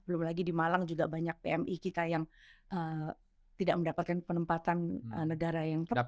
belum lagi di malang juga banyak pmi kita yang tidak mendapatkan penempatan negara yang tepat